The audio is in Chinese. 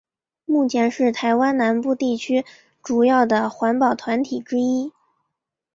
目前是台湾南部地区主要的环保团体之一。